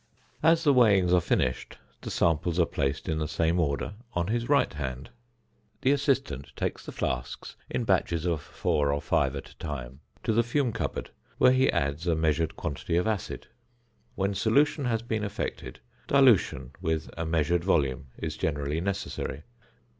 As the weighings are finished, the samples are placed in the same order on his right hand. The assistant takes the flasks in batches of four or five at a time to the fume cupboard, where he adds a measured quantity of acid. When solution has been effected, dilution with a measured volume is generally necessary.